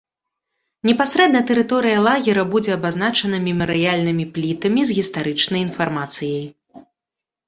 Непасрэдна тэрыторыя лагера будзе абазначана мемарыяльнымі плітамі з гістарычнай інфармацыяй.